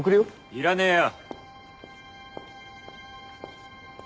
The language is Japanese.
いらねえよ！